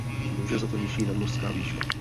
Může za to nižší nadmořská výška.